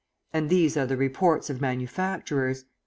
And these are the reports of manufacturers!